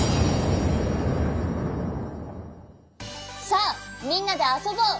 さあみんなであそぼう。